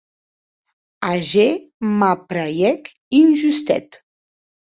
Ager m’apraièc un justet.